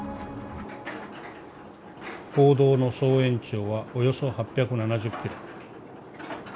「坑道の総延長はおよそ８７０キロ。